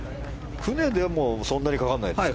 船でもそんなにかからないですか？